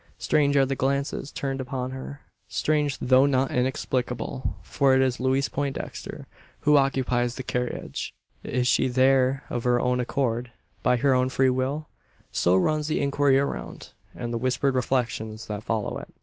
Strange are the glances turned upon her; strange, though not inexplicable: for it is Louise Poindexter who occupies the carriage. Is she there of her own accord by her own free will? So runs the inquiry around, and the whispered reflections that follow it.